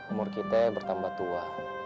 umur kita bertambah tua